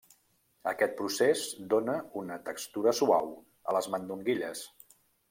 Aquest procés dóna una textura suau a les mandonguilles.